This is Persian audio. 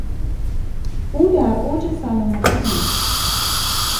او در اوج سلامتی بود.